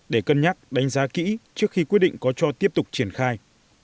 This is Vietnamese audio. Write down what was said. để cân nhắc đánh giá kỹ trước khi quyết định có cho tiếp tục triển khai